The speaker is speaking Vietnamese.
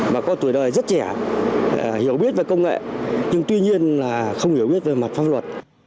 mà có tuổi đời rất trẻ hiểu biết về công nghệ nhưng tuy nhiên là không hiểu biết về mặt pháp luật